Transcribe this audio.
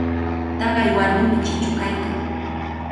Taqay warmimi chichu kaykan.